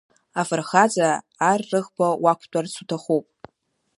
Афырхаҵа, ар рыӷба уақәтәарц уҭахуп.